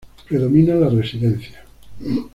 Predominan las residencias.